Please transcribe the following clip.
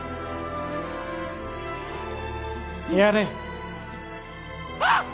やれあっ！